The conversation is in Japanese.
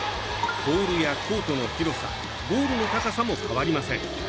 ボールやコートの広さゴールの高さも変わりません。